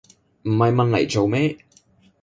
唔係問黎做咩